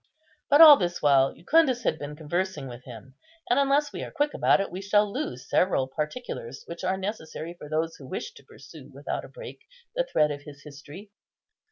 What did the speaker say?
But all this while Jucundus had been conversing with him; and, unless we are quick about it, we shall lose several particulars which are necessary for those who wish to pursue without a break the thread of his history.